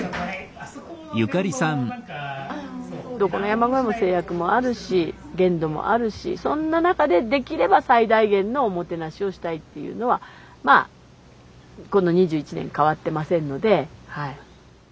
どこの山小屋も制約もあるし限度もあるしそんな中でできれば最大限のおもてなしをしたいっていうのはまあこの２１年変わってませんのではい。